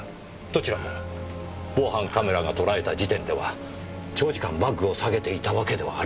どちらも防犯カメラが捉えた時点では長時間バッグを提げていたわけではありません。